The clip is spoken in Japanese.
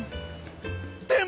でも！